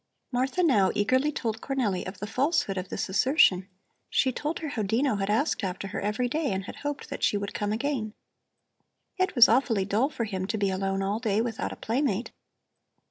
Martha now eagerly told Cornelli of the falsehood of this assertion. She told her how Dino had asked after her every day and had hoped that she would come again. It was awfully dull for him to be alone all day without a playmate.